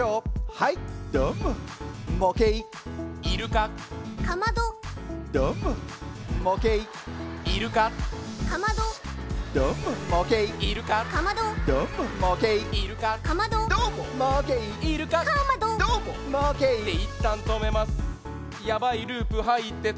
はいどーももけいイルカかまどどーももけいイルカかまどどーももけいイルカかまどどーももけいイルカかまどどーももけいイルカかまどどーももけいっていったんとめますやばいループはいってた